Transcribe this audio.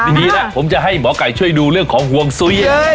ดีแล้วผมจะให้หมอไก่ช่วยดูเรื่องของห่วงซุ้ย